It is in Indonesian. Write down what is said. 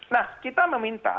nah kita meminta